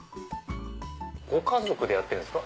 ご家族でやってるんですか？